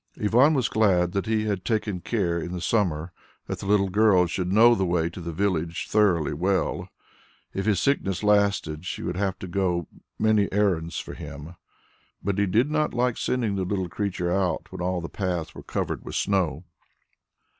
Ivan was glad that he had taken care in the summer that the little girl should know the way to the village thoroughly well. If his sickness lasted, she would have to go many errands for him. But he did not like sending the little creature out when all the paths were covered with snow.